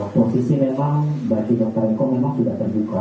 posisi memang bagi dokter eko memang tidak terbuka